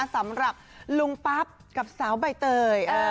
สำหรับลุงปั๊บกับสาวใบเตย